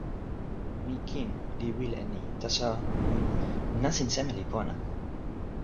mi kin li wile e ni, taso, n... nasin seme li pona?